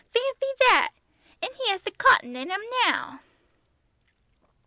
Fanthy that! And he has the cotton in him now!"